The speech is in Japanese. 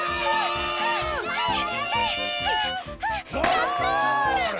やった！